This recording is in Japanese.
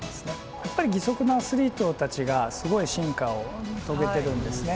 やっぱり義足のアスリートたちがすごい進化を遂げてるんですね。